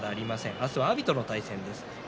明日は阿炎との対戦です。